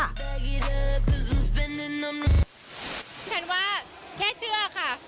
แค่เชื่อค่ะ